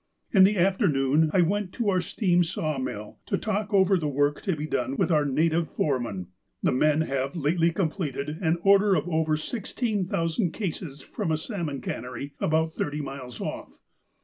"In the afternoon, I went to our steam sawmill, to talk over the work to be done with our native foreman. The men have lately completed an order for over 16,000 cases from a salmon cannery about thirty miles off.